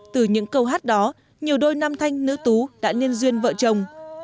từ những câu hát đó nhiều đôi nam thanh nữ tú đã liên duyên vợ chồng